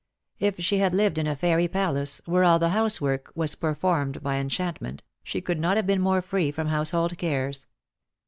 If she had lived in a fairy palace, where all the household work was performed by enchant ment, she could not have been more free from household cares.